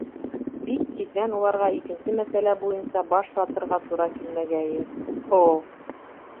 Бик тиҙҙән уларға икенсе мәсьәлә буйынса баш ватырға тура килмәгәйе. һо-о!